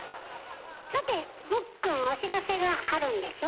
さてほっくんお知らせがあるんでしょ？